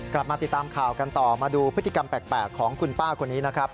กลับมาติดตามข่าวกันต่อมาดูพฤติกรรมแปลกของคุณป้าคนนี้นะครับ